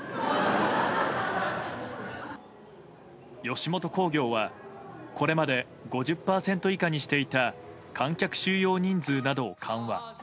吉本興業はこれまで５０％以下にしていた観客収容人数などを緩和。